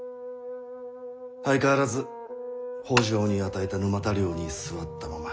相変わらず北条に与えた沼田領に居座ったまま。